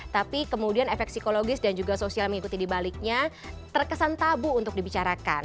tapi kemudian efek psikologis dan juga sosial mengikuti dibaliknya terkesan tabu untuk dibicarakan